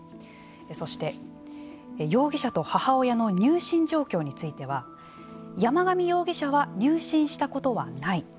そして容疑者と母親の入信状況については山上容疑者は入信したことはない。